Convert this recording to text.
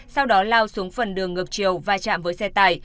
sau đó lao xuống phần đường ngược chiều và chạm với xe tải